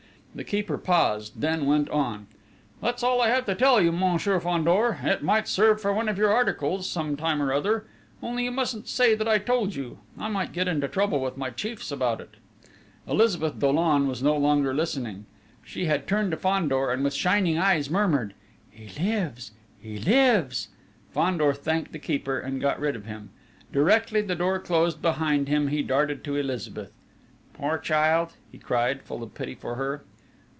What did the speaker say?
The keeper paused, then went on: "That's all I have to tell you, Monsieur Fandor ... it might serve for one of your articles some time or other ... only you mustn't say that I told you. I might get into trouble with my chiefs about it!" Elizabeth Dollon was no longer listening. She had turned to Fandor, and with shining eyes murmured: "He lives!... He lives!..." Fandor thanked the keeper, and got rid of him. Directly the door closed on him he darted to Elizabeth: "Poor child!" he cried, full of pity for her.